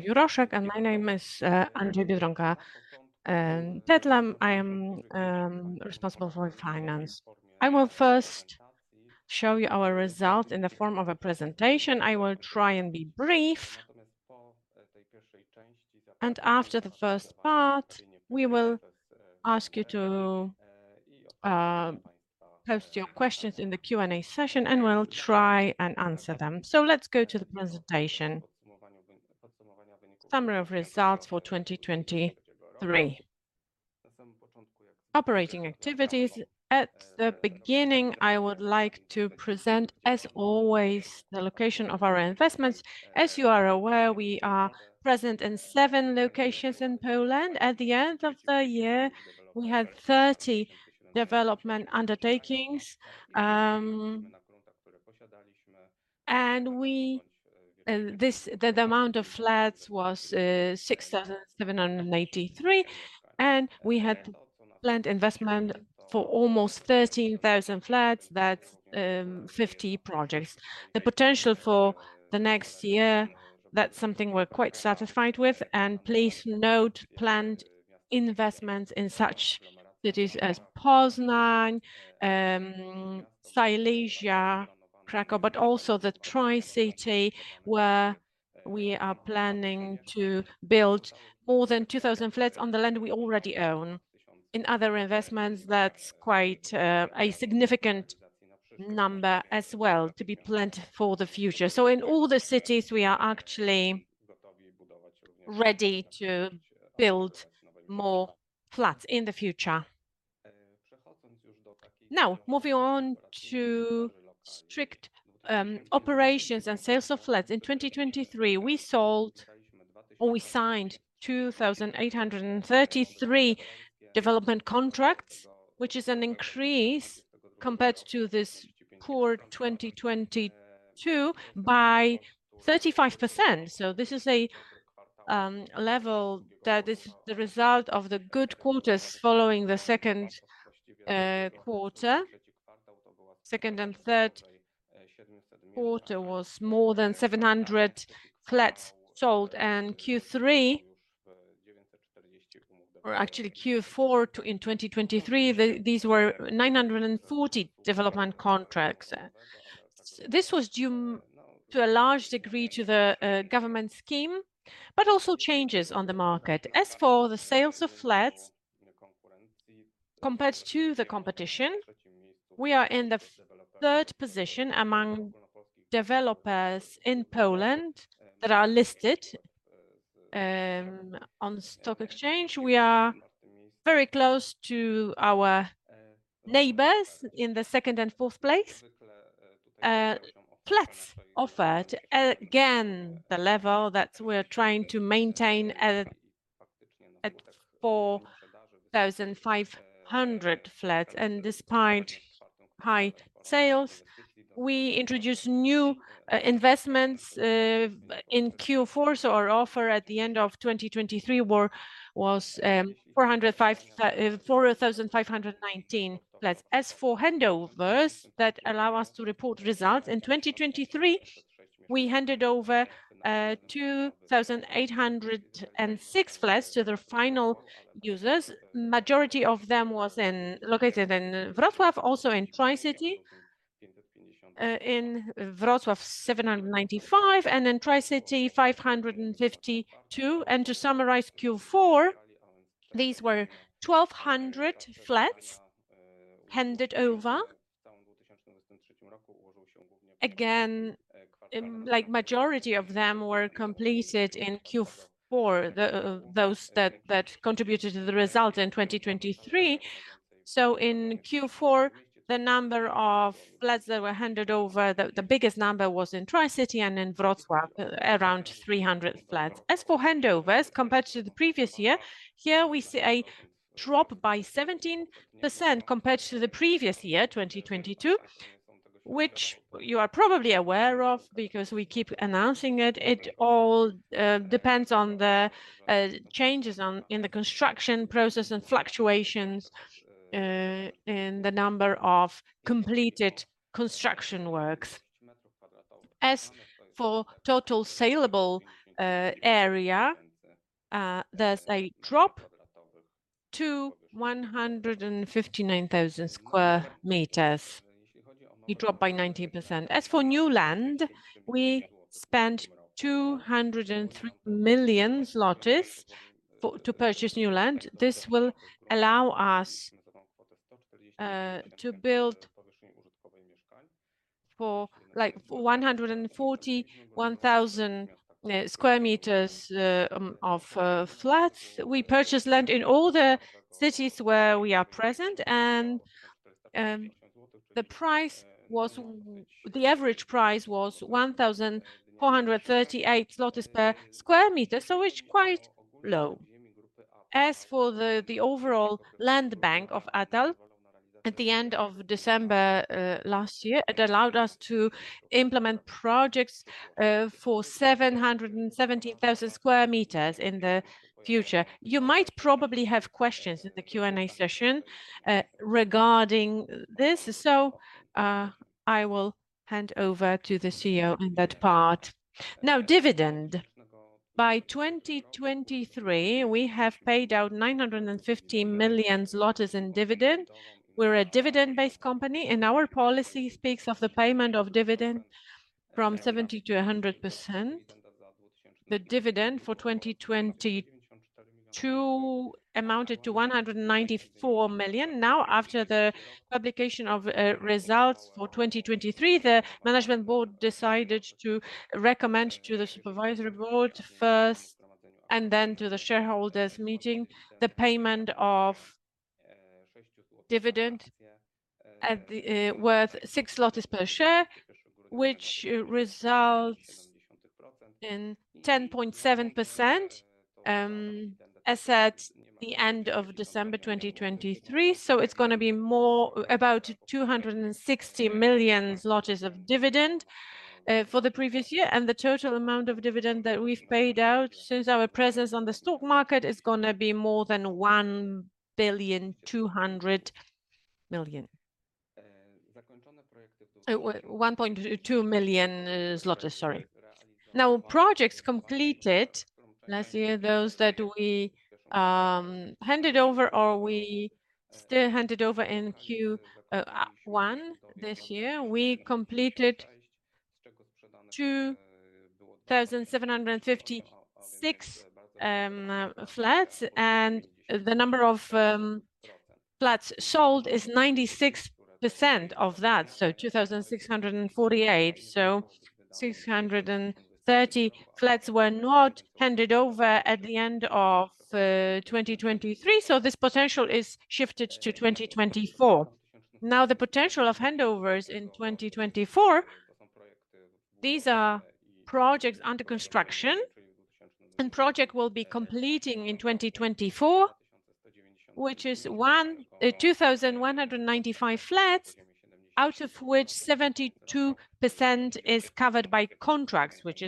Zbigniew Juroszek, and my name is Andrzej Biedronka-Tetla. I am responsible for finance. I will first show you our results in the form of a presentation. I will try and be brief. And after the first part, we will ask you to post your questions in the Q&A session, and we'll try and answer them. So let's go to the presentation. Summary of results for 2023. Operating activities, at the beginning, I would like to present, as always, the location of our investments. As you are aware, we are present in seven locations in Poland. At the end of the year, we had 30 development undertakings, and the amount of flats was 6,783, and we had planned investment for almost 13,000 flats. That's 50 projects. The potential for the next year, that's something we're quite satisfied with. Please note, planned investments in such cities as Poznań, Silesia, Kraków, but also the Tri-City, where we are planning to build more than 2,000 flats on the land we already own. In other investments, that's quite a significant number as well to be planned for the future. So in all the cities, we are actually ready to build more flats in the future. Now, moving on to strict operations and sales of flats. In 2023, we sold or we signed 2,833 development contracts, which is an increase compared to this poor 2022 by 35%. So this is a level that is the result of the good quarters following the second quarter. Second and third quarter was more than 700 flats sold, and Q3, or actually Q4 to. In 2023, the, these were 940 development contracts. This was due, to a large degree to the, government scheme, but also changes on the market. As for the sales of flats, compared to the competition, we are in the third position among developers in Poland that are listed, on stock exchange. We are very close to our neighbors in the second and fourth place. Flats offered, again, the level that we're trying to maintain, at 4,500 flats. And despite high sales, we introduced new, investments, in Q4, so our offer at the end of 2023 were, was, 405, 4,519 flats. As for handovers that allow us to report results, in 2023, we handed over 2,806 flats to their final users. Majority of them was in, located in Wrocław, also in Tri-City. In Wrocław, 795, and in Tri-City, 552. And to summarize Q4, these were 1,200 flats handed over. Again, like, majority of them were completed in Q4, those that contributed to the result in 2023. So in Q4, the number of flats that were handed over, the biggest number was in Tri-City and in Wrocław, around 300 flats. As for handovers, compared to the previous year, here we see a drop by 17% compared to the previous year, 2022, which you are probably aware of because we keep announcing it. It all depends on the changes in the construction process and fluctuations in the number of completed construction works. As for total saleable area, there's a drop to 159,000 square meters. It dropped by 19%. As for new land, we spent 203 million to purchase new land. This will allow us to build, like, 141,000 square meters of flats. We purchased land in all the cities where we are present, and the price was the average price was 1,438 zlotys per square meter, so it's quite low. As for the overall land bank of Atal, at the end of December last year, it allowed us to implement projects for 717,000 square meters in the future. You might probably have questions in the Q&A session regarding this, so I will hand over to the CEO in that part. Now, dividend. By 2023, we have paid out 950 million in dividend. We're a dividend-based company, and our policy speaks of the payment of dividend from 70%-100%. The dividend for 2022 amounted to 194 million. Now, after the publication of results for 2023, the management board decided to recommend to the supervisory board first, and then to the shareholders meeting, the payment of dividend at the worth 6 zlotys per share, which results in 10.7%, as at the end of December 2023. So it's gonna be more, about 260 million of dividend for the previous year, and the total amount of dividend that we've paid out since our presence on the stock market is gonna be more than 1.2 billion zlotys, sorry. Now, projects completed last year, those that we handed over or we still handed over in Q1 this year, we completed 2,756 flats, and the number of flats sold is 96% of that, so 2,648. So 630 flats were not handed over at the end of 2023, so this potential is shifted to 2024. Now, the potential of handovers in 2024, these are projects under construction, and project will be completing in 2024, which is 2,195 flats, out of which 72% is covered by contracts, which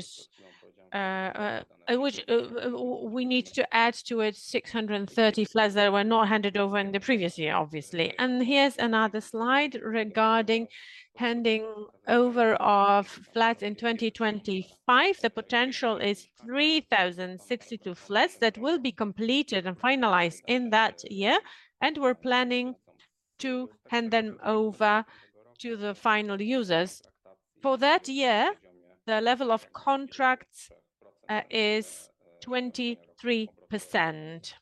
we need to add to it 630 flats that were not handed over in the previous year, obviously. And here's another slide regarding handing over of flats in 2025. The potential is 3,062 flats that will be completed and finalized in that year, and we're planning to hand them over to the final users. For that year, the level of contracts is 23%,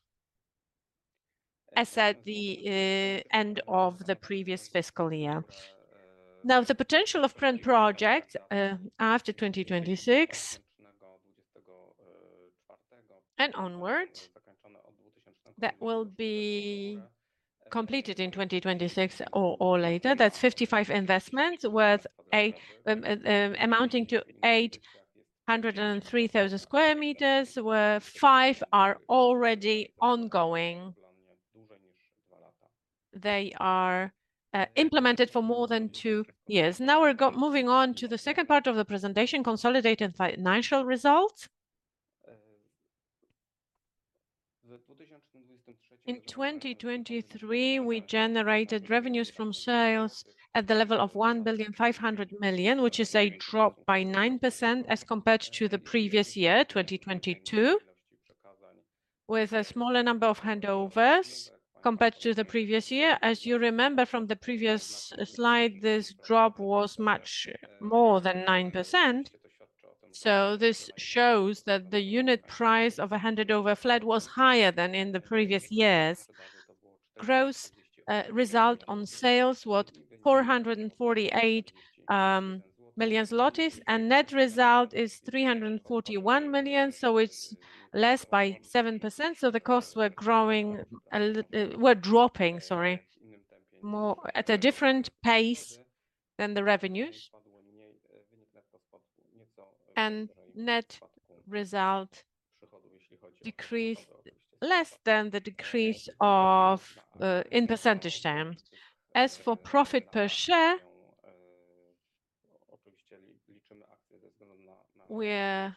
as at the end of the previous fiscal year. Now, the potential of current project after 2026 and onwards, that will be completed in 2026 or later, that's 55 investments worth eight amounting to 803,000 square meters, where five are already ongoing. They are implemented for more than two years. Now, we're moving on to the second part of the presentation, consolidated financial results. In 2023, we generated revenues from sales at the level of 1.5 billion, which is a drop by 9% as compared to the previous year, 2022, with a smaller number of handovers compared to the previous year. As you remember from the previous slide, this drop was much more than 9%, so this shows that the unit price of a handed-over flat was higher than in the previous years. Gross result on sales was 448 million, and net result is 341 million, so it's less by 7%, so the costs were dropping, sorry, more at a different pace than the revenues. And net result decreased less than the decrease in percentage terms. As for profit per share, we're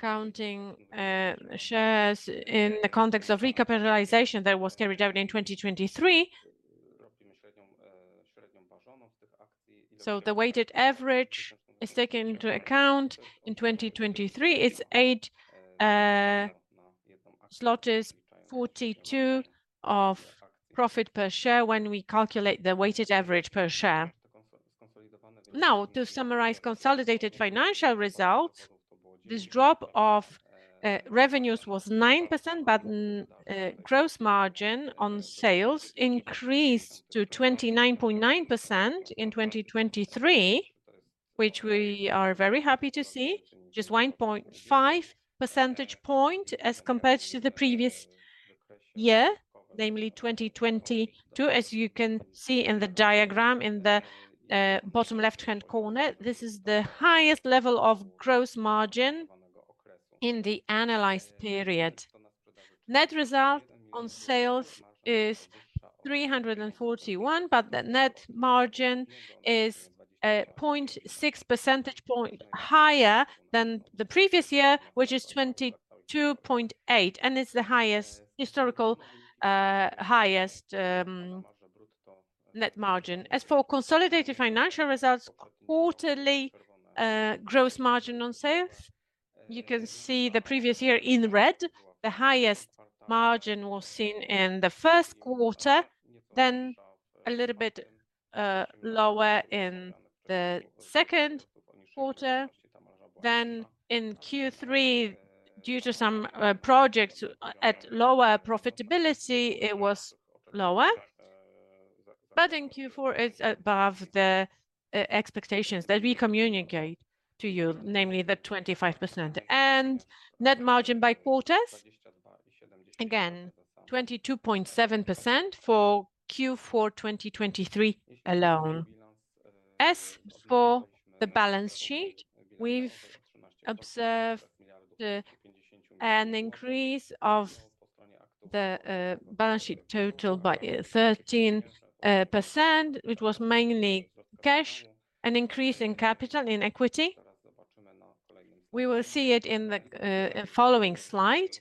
counting shares in the context of recapitalization that was carried out in 2023. So the weighted average is taken into account. In 2023, it's 8.42 zloty of profit per share when we calculate the weighted average per share. Now, to summarize consolidated financial results, this drop of revenues was 9%, but gross margin on sales increased to 29.9% in 2023, which we are very happy to see, just 1.5 percentage point as compared to the previous year, namely 2022. As you can see in the diagram in the bottom left-hand corner, this is the highest level of gross margin in the analyzed period. Net result on sales is 341, but the net margin is 0.6 percentage point higher than the previous year, which is 22.8, and it's the historical highest net margin. As for consolidated financial results quarterly, gross margin on sales, you can see the previous year in red. The highest margin was seen in the first quarter, then a little bit lower in the second quarter. Then in Q3, due to some projects at lower profitability, it was lower. But in Q4, it's above the expectations that we communicate to you, namely 25%. Net margin by quarters, again, 22.7% for Q4 2023 alone. As for the balance sheet, we've observed an increase of the balance sheet total by 13%, which was mainly cash, an increase in capital in equity. We will see it in the following slide.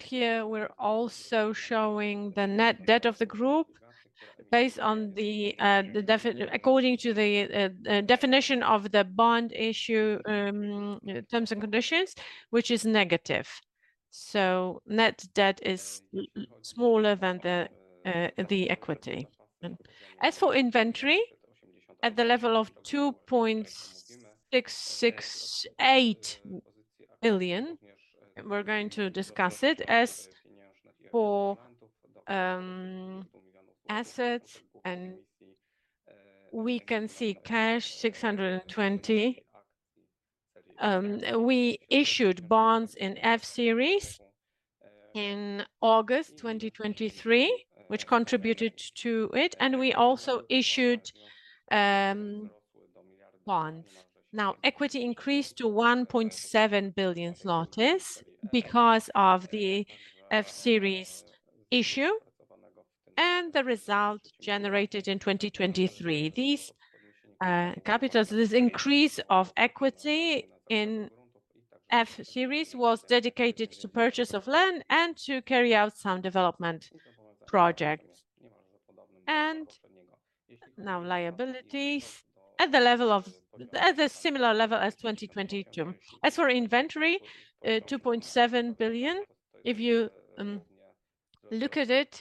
Here, we're also showing the net debt of the group based on the definition of the bond issue terms and conditions, which is negative. So net debt is smaller than the equity. As for inventory, at the level of 2.668 billion, we're going to discuss it. As for assets, we can see cash, 620 million. We issued bonds in F series in August 2023, which contributed to it, and we also issued bonds. Now, equity increased to 1.7 billion zlotys because of the F series issue and the result generated in 2023. These capitals, this increase of equity in F series, was dedicated to purchase of land and to carry out some development projects. Now liabilities, at a similar level as 2022. As for inventory, 2.7 billion, if you look at it,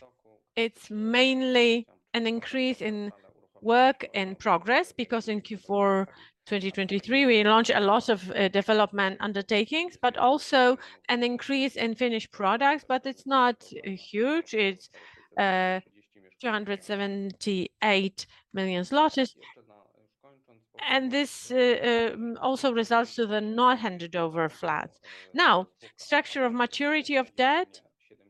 it's mainly an increase in work in progress, because in Q4 2023, we launched a lot of development undertakings, but also an increase in finished products. But it's not huge, it's 278 million zlotys. And this also results to the not handed over flats. Now, structure of maturity of debt,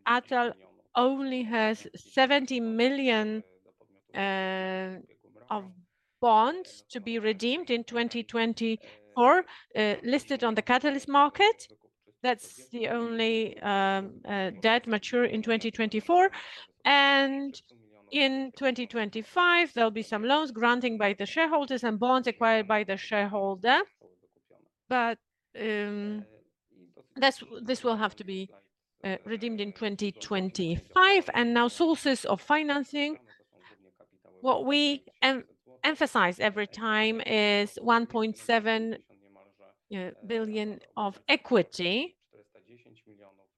Atal only has 70 million of bonds to be redeemed in 2024, listed on the Catalyst market. That's the only debt mature in 2024. And in 2025, there'll be some loans granting by the shareholders and bonds acquired by the shareholder. But this, this will have to be redeemed in 2025. And now sources of financing. What we emphasize every time is 1.7 billion of equity,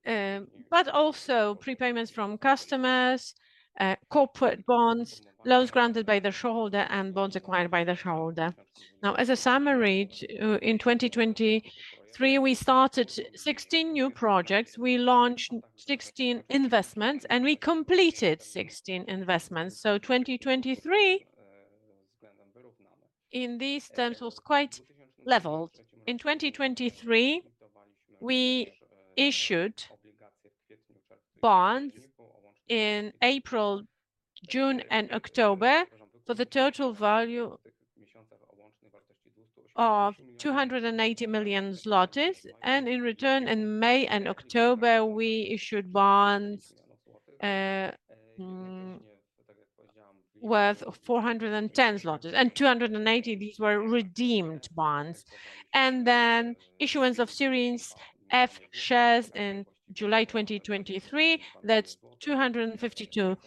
but also prepayments from customers, corporate bonds, loans granted by the shareholder, and bonds acquired by the shareholder. Now, as a summary, in 2023, we started 16 new projects. We launched 16 investments, and we completed 16 investments. So 2023, in these terms, was quite leveled. In 2023, we issued bonds in April, June, and October, for the total value of 280 million zlotys. And in return, in May and October, we issued bonds worth 410 million zlotys. And 280, these were redeemed bonds. And then issuance of Series F Shares in July 2023, that's 252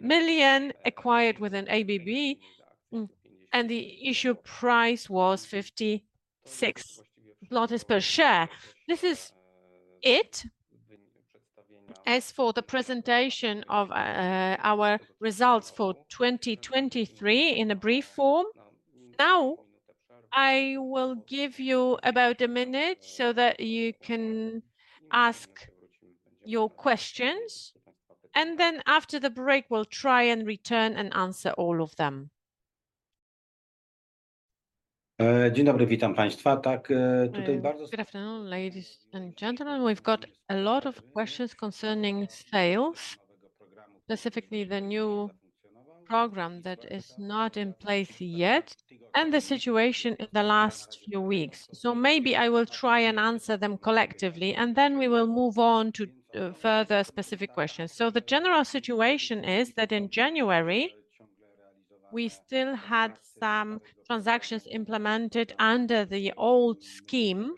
million acquired with an ABB, and the issue price was 56 per share. This is it, as for the presentation of our results for 2023 in a brief form. Now, I will give you about a minute so that you can ask your questions, and then after the break, we'll try and return and answer all of them. Good afternoon, ladies and gentlemen. We've got a lot of questions concerning sales, specifically the new program that is not in place yet, and the situation in the last few weeks. So maybe I will try and answer them collectively, and then we will move on to further specific questions. So the general situation is that in January, we still had some transactions implemented under the old scheme.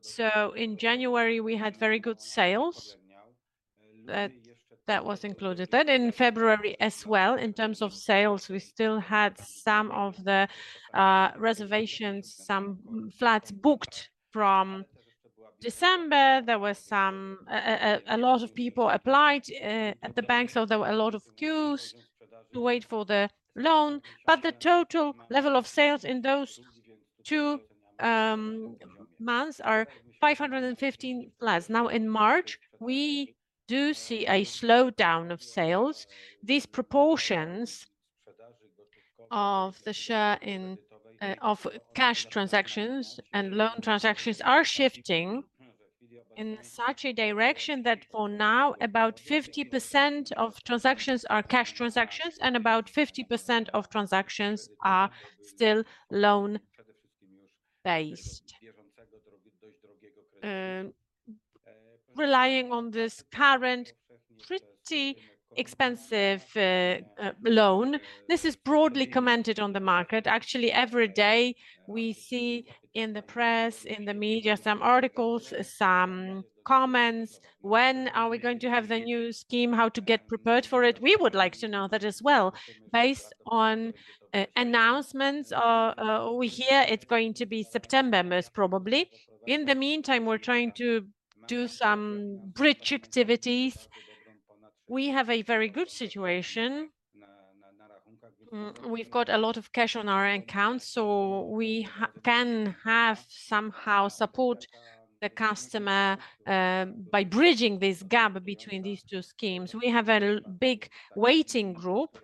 So in January, we had very good sales, that was included. Then in February as well, in terms of sales, we still had some of the reservations, some flats booked from December. There were a lot of people applied at the bank, so there were a lot of queues to wait for the loan. But the total level of sales in those two months are 550 flats. Now, in March, we do see a slowdown of sales. These proportions of the share in, of cash transactions and loan transactions are shifting in such a direction that for now, about 50% of transactions are cash transactions, and about 50% of transactions are still loan-based. Relying on this current, pretty expensive, loan, this is broadly commented on the market. Actually, every day, we see in the press, in the media, some articles, some comments. When are we going to have the new scheme? How to get prepared for it? We would like to know that as well. Based on announcements, we hear it's going to be September, most probably. In the meantime, we're trying to do some bridge activities. We have a very good situation. We've got a lot of cash on our accounts, so we can have somehow support the customer by bridging this gap between these two schemes. We have a big waiting group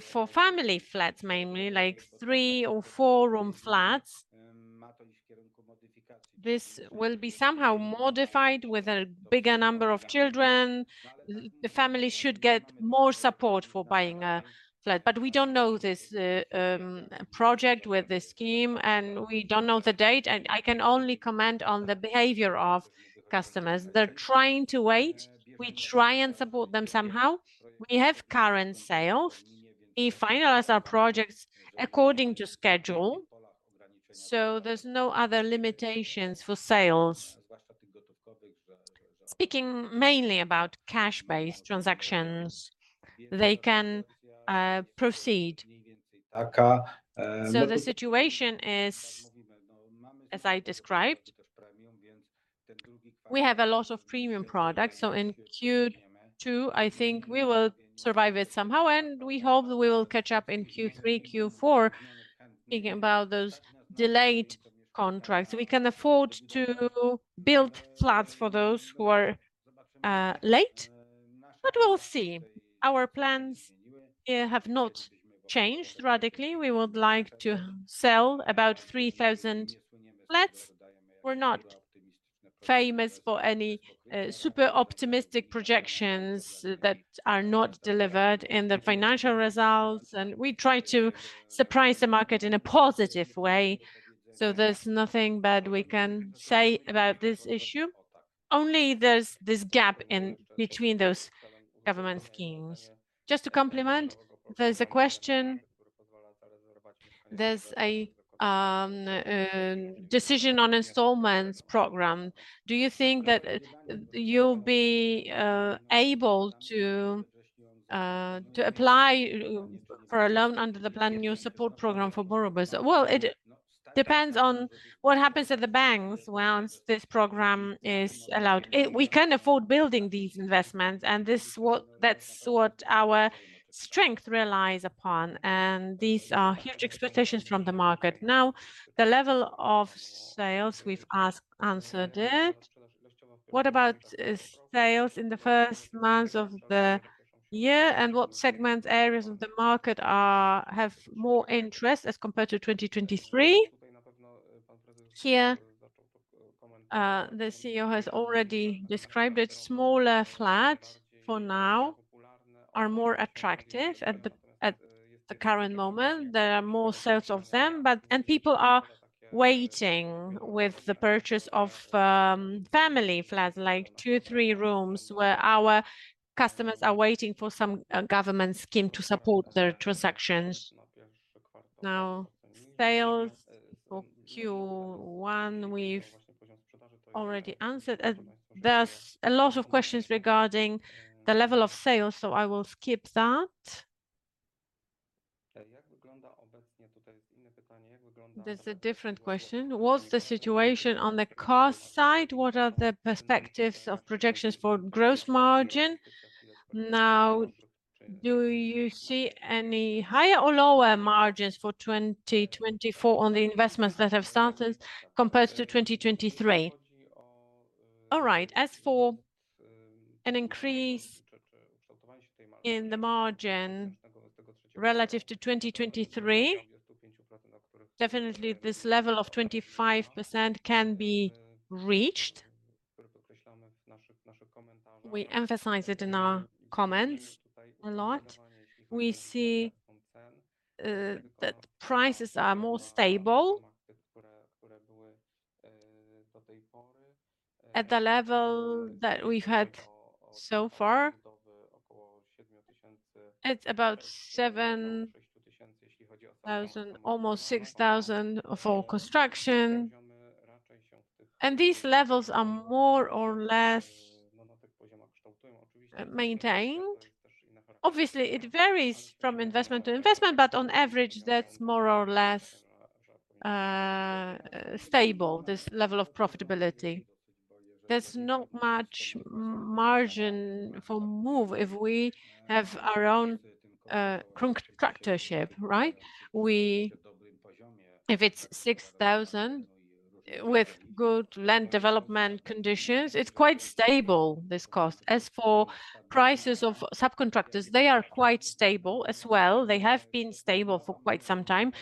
for family flats, mainly, like three or four-room flats. This will be somehow modified with a bigger number of children. The family should get more support for buying a flat. But we don't know this project with this scheme, and we don't know the date, and I can only comment on the behavior of customers. They're trying to wait. We try and support them somehow. We have current sales. We finalize our projects according to schedule, so there's no other limitations for sales. Speaking mainly about cash-based transactions, they can proceed. So the situation is, as I described, we have a lot of premium products, so in Q2, I think we will survive it somehow, and we hope that we will catch up in Q3, Q4, thinking about those delayed contracts. We can afford to build flats for those who are late, but we'll see. Our plans have not changed radically. We would like to sell about 3,000 flats. We're not famous for any super optimistic projections that are not delivered in the financial results, and we try to surprise the market in a positive way, so there's nothing bad we can say about this issue. Only there's this gap in between those government schemes. Just to complement, there's a question, there's a decision on installments program. Do you think that, you'll be able to apply for a loan under the planned new support program for borrowers? Well, it depends on what happens at the banks once this program is allowed. It. We can afford building these investments, and that's what our strength relies upon, and these are huge expectations from the market. Now, the level of sales, we've asked, answered it. What about sales in the first months of the year, and what segments, areas of the market are, have more interest as compared to 2023? Here, the CEO has already described it. Smaller flats, for now, are more attractive at the current moment. There are more sales of them, but People are waiting with the purchase of family flats, like two, three rooms, where our customers are waiting for some government scheme to support their transactions. Now, sales for Q1, we've already answered. There's a lot of questions regarding the level of sales, so I will skip that. There's a different question: What's the situation on the cost side? What are the perspectives of projections for gross margin? Now, do you see any higher or lower margins for 2024 on the investments that have started compared to 2023? All right, as for an increase in the margin relative to 2023, definitely this level of 25% can be reached. We emphasize it in our comments a lot. We see that prices are more stable at the level that we've had so far... It's about 7,000, almost 6,000 for construction. These levels are more or less maintained. Obviously, it varies from investment to investment, but on average, that's more or less stable, this level of profitability. There's not much margin for move if we have our own contractorship, right? If it's 6,000 with good land development conditions, it's quite stable, this cost. As for prices of subcontractors, they are quite stable as well. They have been stable for quite some time.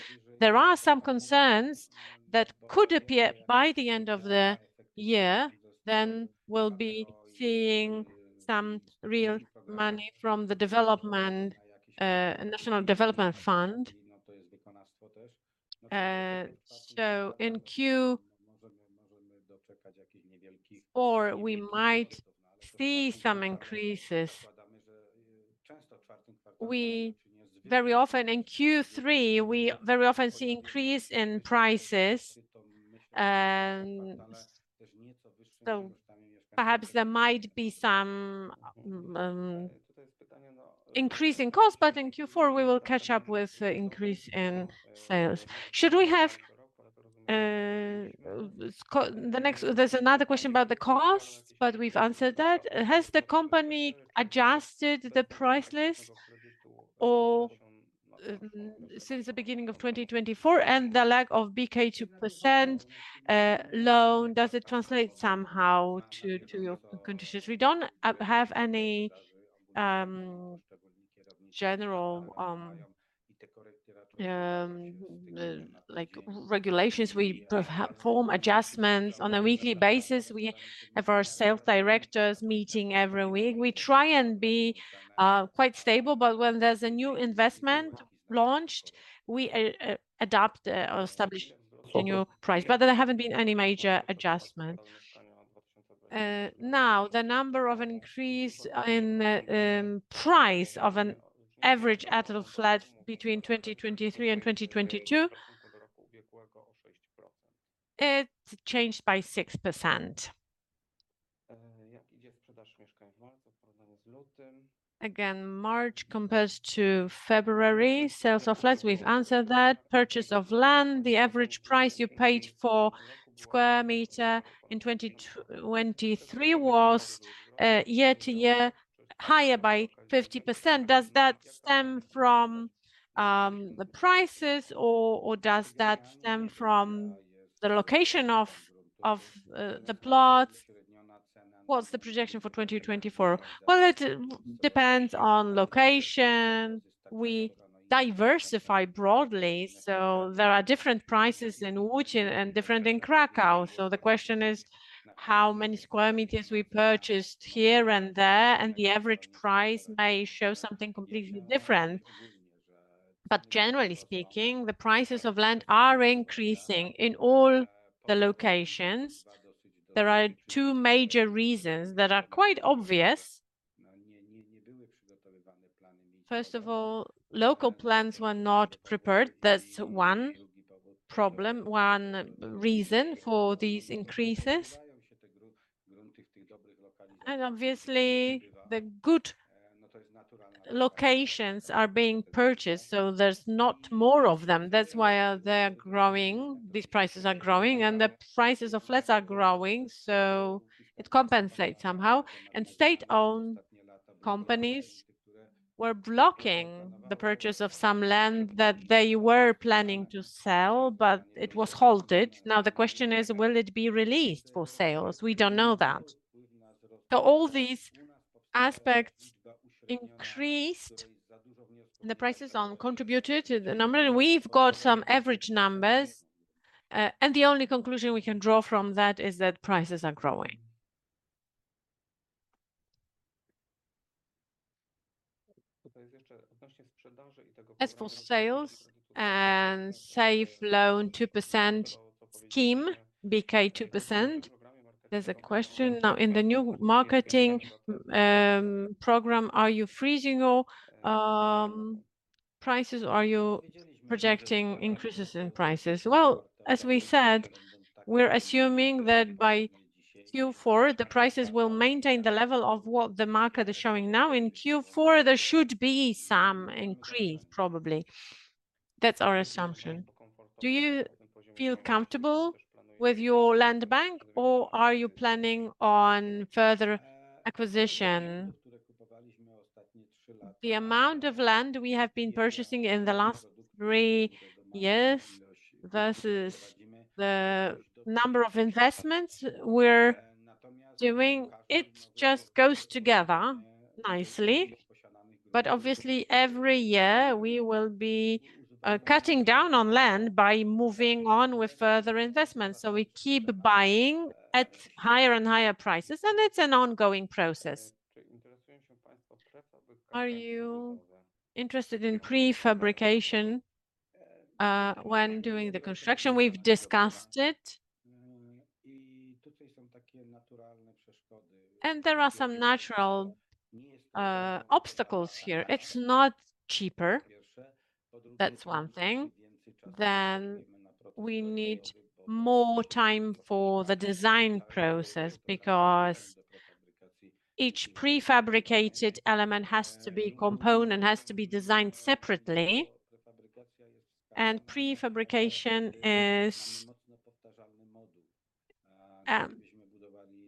There are some concerns that could appear by the end of the year, then we'll be seeing some real money from the development National Development Fund. So in Q4, we might see some increases. We very often, in Q3, we very often see increase in prices. So perhaps there might be some increase in cost, but in Q4, we will catch up with the increase in sales. Should we have the next? There's another question about the cost, but we've answered that. Has the company adjusted the price list or since the beginning of 2024, and the lack of BK 2% loan, does it translate somehow to your conditions? We don't have any general like regulations. We perform adjustments on a weekly basis. We have our sales directors meeting every week. We try and be quite stable, but when there's a new investment launched, we adapt or establish a new price, but there haven't been any major adjustments. Now, the number of increase in price of an average Atal flat between 2023 and 2022, it changed by 6%. Again, March compared to February, sales of flats, we've answered that. Purchase of land, the average price you paid for square meter in 2023 was year-over-year higher by 50%. Does that stem from the prices or does that stem from the location of the plots? What's the projection for 2024? Well, it depends on location. We diversify broadly, so there are different prices in Łódź and different in Kraków. So the question is, how many square meters we purchased here and there, and the average price may show something completely different. But generally speaking, the prices of land are increasing in all the locations. There are two major reasons that are quite obvious. First of all, local plans were not prepared. That's one problem, one reason for these increases. And obviously, the good locations are being purchased, so there's not more of them. That's why, they're growing, these prices are growing, and the prices of flats are growing, so it compensates somehow. State-owned companies were blocking the purchase of some land that they were planning to sell, but it was halted. Now, the question is, will it be released for sales? We don't know that. So all these aspects increased the prices on, contributed to the number. We've got some average numbers, and the only conclusion we can draw from that is that prices are growing. As for sales and Safe Loan 2% scheme, BK 2%, there's a question. Now, in the new marketing program, are you freezing your prices, or are you projecting increases in prices? Well, as we said, we're assuming that by Q4, the prices will maintain the level of what the market is showing now. In Q4, there should be some increase, probably. That's our assumption. Do you feel comfortable with your land bank or are you planning on further acquisition? The amount of land we have been purchasing in the last three years versus the number of investments we're doing, it just goes together nicely. But obviously, every year, we will be cutting down on land by moving on with further investments. So we keep buying at higher and higher prices, and it's an ongoing process. Are you interested in prefabrication when doing the construction? We've discussed it and there are some natural obstacles here. It's not cheaper, that's one thing. Then we need more time for the design process, because each prefabricated element has to be component, has to be designed separately, and prefabrication is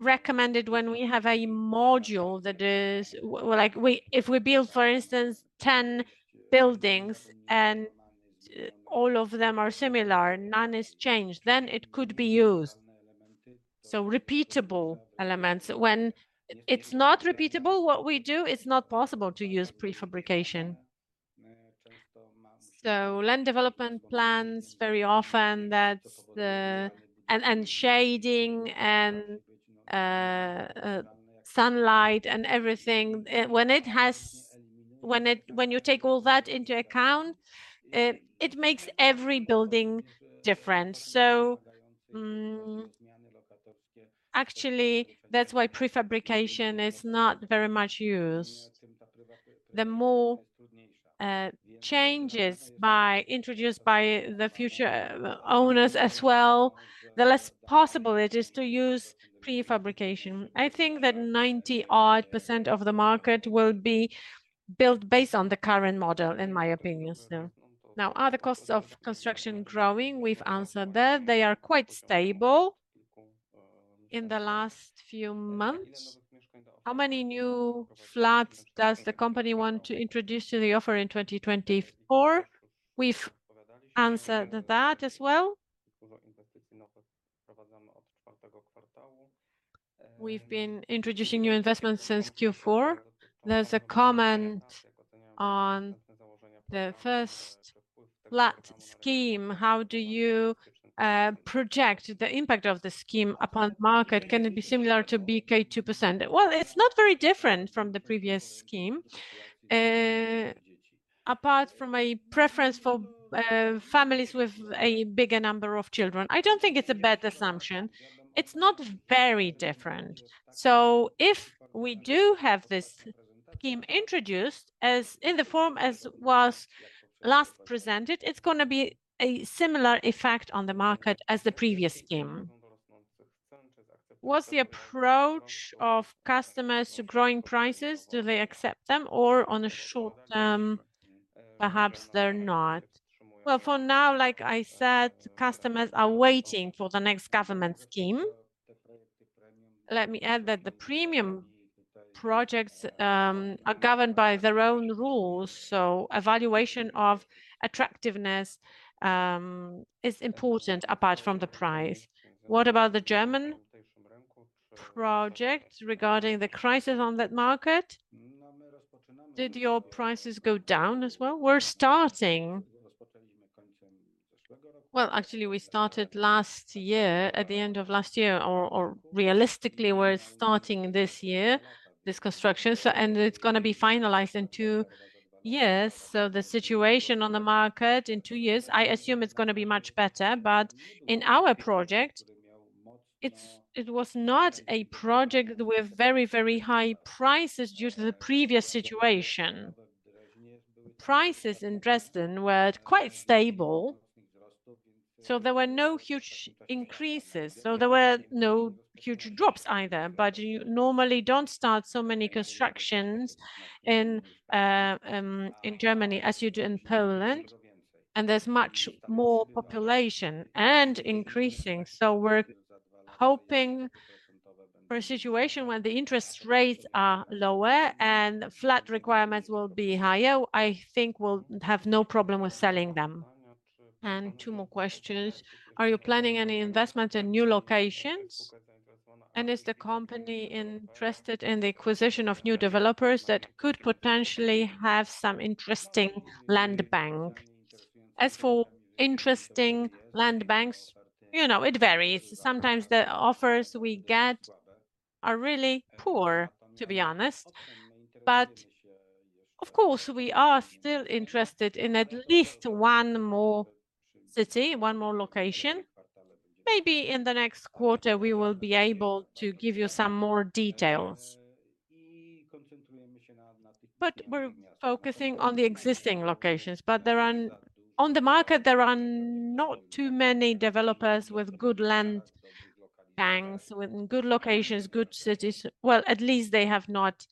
recommended when we have a module that is, like, we If we build, for instance, 10 buildings and, all of them are similar, none is changed, then it could be used. So repeatable elements. When it's not repeatable, what we do, it's not possible to use prefabrication. So land development plans very often, that's the. And, and shading, and, sunlight, and everything, when you take all that into account, it makes every building different. So, actually, that's why prefabrication is not very much used. The more changes introduced by the future owners as well, the less possible it is to use prefabrication. I think that 90-odd% of the market will be built based on the current model, in my opinion, so. Now, are the costs of construction growing? We've answered that. They are quite stable in the last few months. How many new flats does the company want to introduce to the offer in 2024? We've answered that as well. We've been introducing new investments since Q4. There's a comment on the First Flat scheme. How do you project the impact of the scheme upon the market? Can it be similar to BK 2%? Well, it's not very different from the previous scheme. Apart from a preference for families with a bigger number of children, I don't think it's a bad assumption. It's not very different. So if we do have this scheme introduced, as in the form as was last presented, it's gonna be a similar effect on the market as the previous scheme. What's the approach of customers to growing prices? Do they accept them, or on the short term, perhaps they're not? Well, for now, like I said, customers are waiting for the next government scheme. Let me add that the premium projects are governed by their own rules, so evaluation of attractiveness is important apart from the price. What about the German project regarding the crisis on that market? Did your prices go down as well? Well, actually, we started last year, at the end of last year, or, or realistically, we're starting this year, this construction, so, and it's gonna be finalized in two years. So the situation on the market in two years, I assume it's gonna be much better. But in our project, it's, it was not a project with very, very high prices due to the previous situation. Prices in Dresden were quite stable, so there were no huge increases, so there were no huge drops either. But you normally don't start so many constructions in Germany as you do in Poland, and there's much more population, and increasing. So we're hoping for a situation where the interest rates are lower and flat requirements will be higher. I think we'll have no problem with selling them. And two more questions: Are you planning any investment in new locations? And is the company interested in the acquisition of new developers that could potentially have some interesting land bank? As for interesting land banks, you know, it varies. Sometimes the offers we get are really poor, to be honest. But of course, we are still interested in at least one more city, one more location. Maybe in the next quarter, we will be able to give you some more details. But we're focusing on the existing locations. But there are On the market, there are not too many developers with good land banks, with good locations, good cities. Well, at least they have not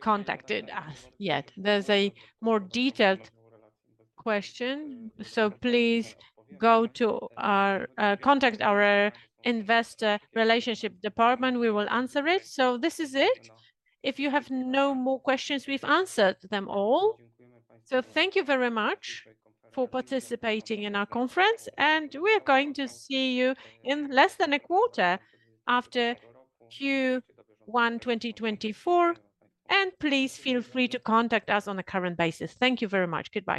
contacted us yet. There's a more detailed question, so please go to our, contact our investor relationship department, we will answer it. So this is it. If you have no more questions, we've answered them all. So thank you very much for participating in our conference, and we're going to see you in less than a quarter, after Q1 2024. And please feel free to contact us on a current basis. Thank you very much. Goodbye.